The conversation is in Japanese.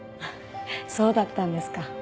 そうだったんですか。